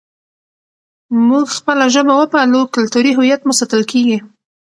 موږ خپله ژبه وپالو، کلتوري هویت مو ساتل کېږي.